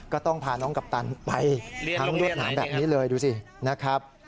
ก็ต้องพาน้องกัปตันไปทั้งรวดหนามแบบนี้เลยดูสินะครับ